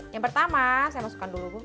yang pertama saya masukkan dulu bung